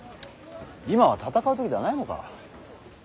今は戦う時ではないのか。